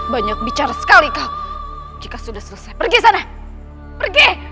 banyak bicara sekali kak jika sudah selesai pergi sana pergi